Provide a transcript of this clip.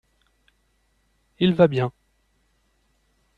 Il va bien.